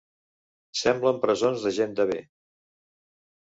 Semblen presons de gent de bé